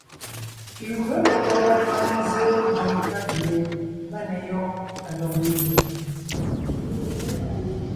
Pi gÿǒ lekɔ́ tá nzsé nzẅìŋ nkáb gie máneyoon la lɔg mbiŋ nzèm?